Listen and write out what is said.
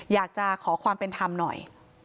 อยากจะขอความเป็นธรรมหน่อย